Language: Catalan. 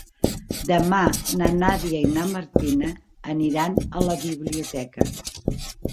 Demà na Nàdia i na Martina aniran a la biblioteca.